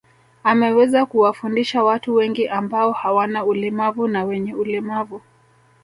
Ameweza kuwafundisha watu wengi ambao hawana ulemavu na wenye ulemavu